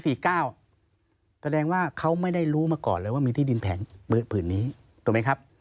แสดงว่าเขาไม่ได้รู้มาก่อนเลยว่ามีที่ดินแผงผืนนี้ถูกไหมครับ